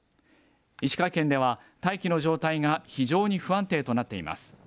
石川県では大気の状態が非常に不安定となっています。